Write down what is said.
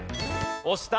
押した。